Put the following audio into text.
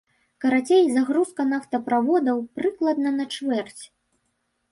Карацей, загрузка нафтаправодаў, прыкладна, на чвэрць.